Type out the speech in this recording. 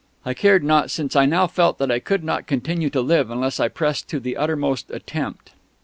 I cared not, since I now felt that I could not continue to live unless I pressed to the uttermost attempt.